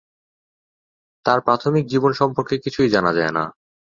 তাঁর প্রাথমিক জীবন সম্পর্কে কিছুই জানা যায় না।